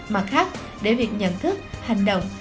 mặt khác để việc nhận thức hành động